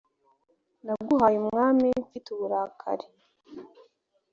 naguhaye umwami mfite uburakari